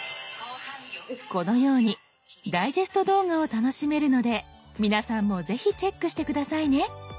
このようにダイジェスト動画を楽しめるので皆さんもぜひチェックして下さいね。